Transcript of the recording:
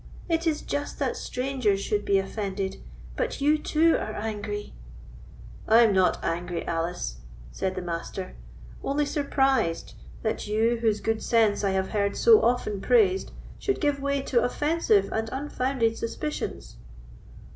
It is just that strangers should be offended, but you, too, are angry!" "I am not angry, Alice," said the Master, "only surprised that you, whose good sense I have heard so often praised, should give way to offensive and unfounded suspicions."